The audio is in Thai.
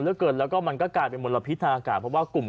เกินแล้วก็มันก็กลายเป็นมลพิษทางอากาศเพราะว่ากลุ่ม